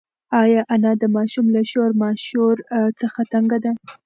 ایا انا د ماشوم له شور ماشور څخه تنگه ده؟